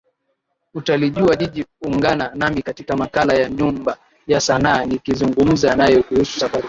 Utalijua jiji Ungana nami katika Makala ya Nyumba ya Sanaa nikizungumza naye kuhusu safari